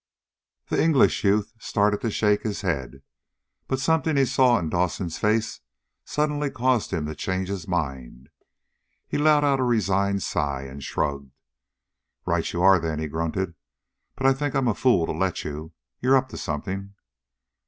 The English youth started to shake his head, but something he saw in Dawson's face suddenly caused him to change his mind. He let out a resigned sigh, and shrugged. "Right you are, then," he grunted. "But I think I'm a fool to let you. You're up to something!"